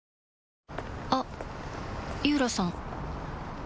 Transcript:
あっ井浦さん